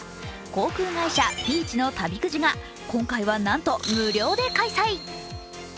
航空会社Ｐｅａｃｈの旅くじが今回はなんと無料で開催。